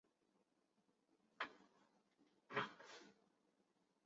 仁寿寺建于清朝乾隆二十六年。